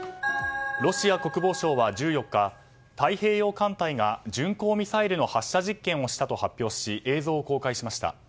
ロシア国防省は１４日太平洋艦隊が巡航ミサイルの発射実験をしたと発表し映像を公開しました。